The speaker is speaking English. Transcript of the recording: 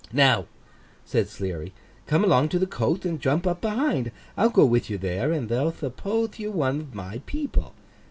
'Now,' said Sleary, 'come along to the coath, and jump up behind; I'll go with you there, and they'll thuppothe you one of my people.